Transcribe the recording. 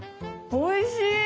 おいしい！